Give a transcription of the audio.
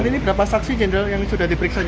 jadi berapa total saksi yang sudah diperiksa